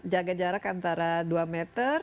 jaga jarak antara dua meter